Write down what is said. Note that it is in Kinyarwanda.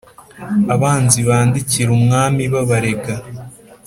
Abanzi bandikira umwami babarega